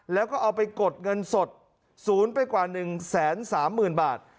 แล้วก็เอาไปกดเงินสดศูนย์ไปกว่า๑๓๐๐๐บาท